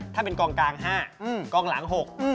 ถ้าเป็นกองกลาง๕กองหลัง๖